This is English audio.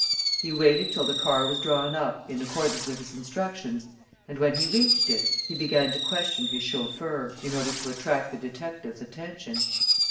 He waited till the car was drawn up in accordance with his instructions and, when he reached it, he began to question his chauffeur, in order to attract the detectives' attention.